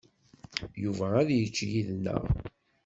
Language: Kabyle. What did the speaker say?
Yuba ad yečč yid-neɣ?